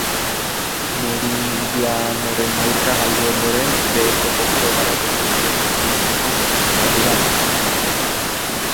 Meridianoren aurka galdu ondoren beheko postuetara gehiegi ez hurbiltzeko ardura dago.